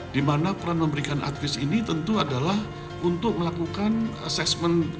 dimana peran memberikan aktivis ini tentu adalah untuk melakukan assessment